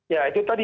ya itu tadi